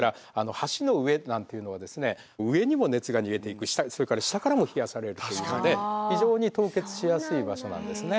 上にも熱が逃げていくそれから下からも冷やされるというので非常に凍結しやすい場所なんですね。